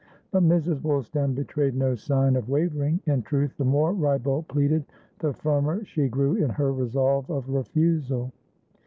But Mrs. Woolstan betrayed no sign of wavering; in truth, the more Wrybolt pleaded, the firmer she grew in her resolve of refusal.